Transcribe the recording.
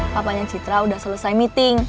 papanya citra udah selesai meeting